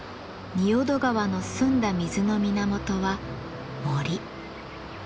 仁淀川の澄んだ水の源は森。